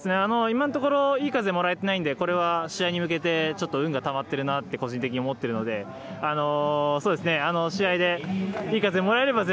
今のところいい風がもらえてないのでこれは、試合に向けて運がたまってるなと個人的に思ってるので試合でいい風もらえれ